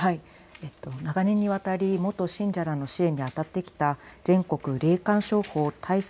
長年にわたり元信者らの支援にあたってきた全国霊感商法対策